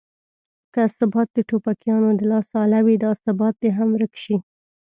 که ثبات د ټوپکیانو د لاس اله وي دا ثبات دې هم ورک شي.